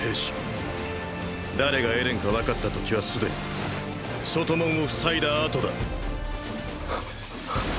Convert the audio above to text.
誰がエレンかわかった時は既に外門を塞いだ後だ